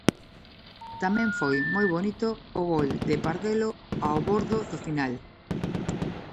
Tamén foi moi bonito o gol de Pardelo, ao bordo do final.